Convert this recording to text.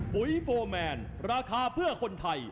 ปุ๋ยโฟร์แมนราคาเพื่อคนไทย